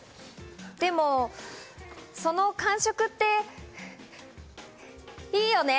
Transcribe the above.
でもその感触っていいよね？